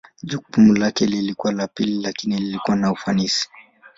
Jukumu lake lilikuwa la pili lakini lilikuwa na ufanisi.